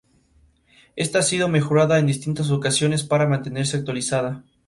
Ésta ha sido mejorada en distintas ocasiones para mantenerse actualizada.